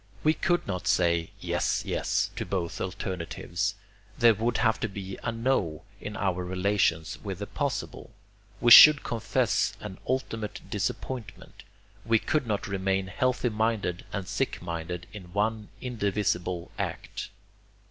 We could not say 'yes, yes' to both alternatives. There would have to be a 'no' in our relations with the possible. We should confess an ultimate disappointment: we could not remain healthy minded and sick minded in one indivisible act.